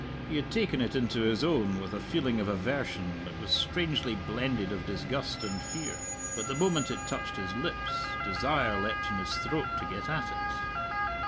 He had taken it into his own with a feeling of aversion that was strangely blended of disgust and fear. But the moment it touched his lips, desire leapt in his throat to get at it.